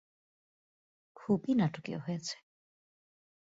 খুবই নাটকীয় হয়েছে।